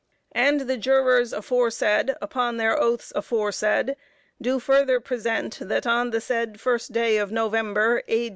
And the Jurors aforesaid, upon their oaths aforesaid, do further present, that on the said first day of November, A.